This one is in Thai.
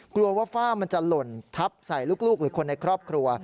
กลัวว่าฝ้ามันจะหล่นทับใส่ลูกหรือคนในครอบครัว